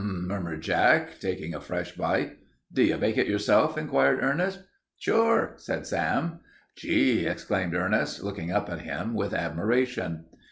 murmured Jack, taking a fresh bite. "Do you bake it yourself?" inquired Ernest. "Sure," said Sam. "Gee!" exclaimed Ernest, looking up at him with admiration.